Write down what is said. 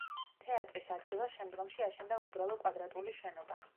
თეატრის ადგილას შემდგომში აშენდა უბრალო კვადრატული შენობა.